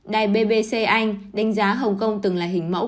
đài bbc anh đánh giá hồng kông từng là hình mẫu